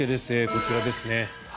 こちらですね。